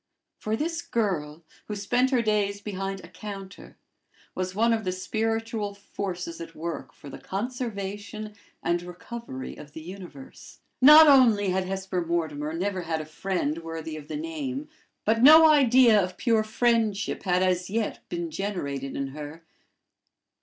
For this girl, who spent her days behind a counter, was one of the spiritual forces at work for the conservation and recovery of the universe. Not only had Hesper Mortimer never had a friend worthy of the name, but no idea of pure friendship had as yet been generated in her.